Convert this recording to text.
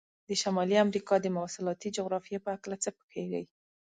د شمالي امریکا د مواصلاتي جغرافیې په هلکه څه پوهیږئ؟